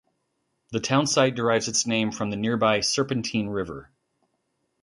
The townsite derives its name from the nearby Serpentine River.